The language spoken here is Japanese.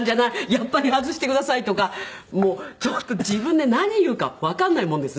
やっぱり外してください」とかちょっと自分で何言うかわかんないもんですね。